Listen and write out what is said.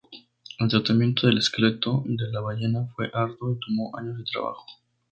El tratamiento del esqueleto de la ballena fue arduo y tomó años de trabajo.